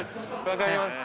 分かります。